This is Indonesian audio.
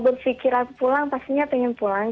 berpikiran pulang pastinya pengen pulang